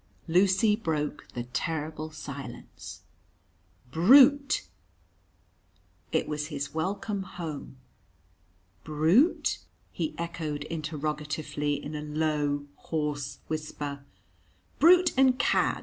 Lucy broke the terrible silence. "Brute!" It was his welcome home. "Brute?" he echoed interrogatively, in a low, hoarse whisper. "Brute and cad!"